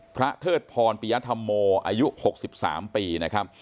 เทิดพรปิยธรรมโมอายุ๖๓ปีนะครับ